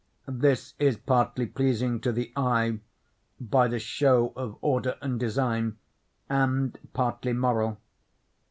This is partly pleasing to the eye, by the show of order and design, and partly moral.